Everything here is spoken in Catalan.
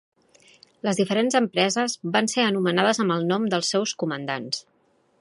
Les diferents empreses van ser anomenades amb el nom dels seus comandants.